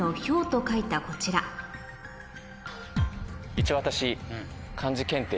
一応私。